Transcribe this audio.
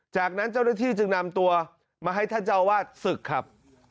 จากนั้นเจ้าหน้าที่จึงนำตัวมาให้ท่านเจ้าวาดศึกครับ